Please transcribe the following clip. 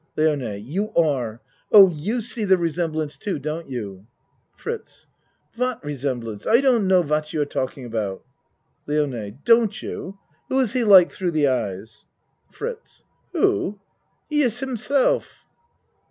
LIONE You are. Oh! You see the resem blance too, do you? FRITZ What resemblance? I don't know what you are talking about. LIONE Don't you? Who is he like thro' the eyes? FRITZ Who? He iss like himself.